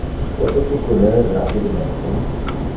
Pote tu currer rapidemente?